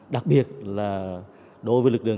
đặc biệt là đối với lực lượng